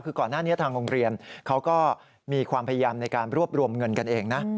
คือก่อนหน้านี้ทางโรงเรียนเขาก็มีความพยายามในการรวบรวมเงินกันเองนะ